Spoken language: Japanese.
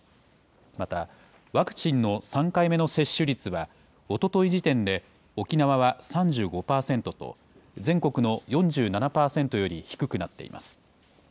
またワクチンの３回目の接種率は、おととい時点で沖縄は３５％と、全国の４７％より低くなっています。